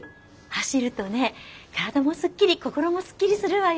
走るとね体もすっきり心もすっきりするわよ。